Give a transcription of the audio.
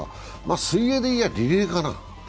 水泳でいえばリレーかな？